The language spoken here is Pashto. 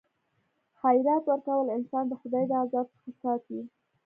خیرات ورکول انسان د خدای د عذاب څخه ساتي.